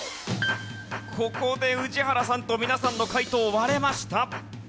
ここで宇治原さんと皆さんの解答割れました。